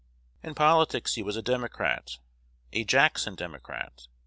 In politics, he was a Democrat, a Jackson Democrat.